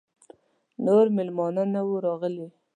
نور مېلمانه نه وه راغلي.